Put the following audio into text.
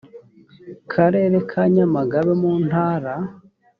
karere ka nyamagabe mu ntara